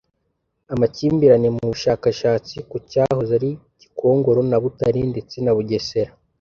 amakimbirane mu bushakashatsi ku cyahoze ari gikongoro na butare ndetse na bugesera